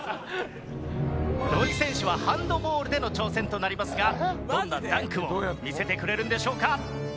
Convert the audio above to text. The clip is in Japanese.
土井選手はハンドボールでの挑戦となりますがどんなダンクを見せてくれるんでしょうか？